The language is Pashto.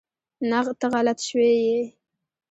ته غلط شوی ېي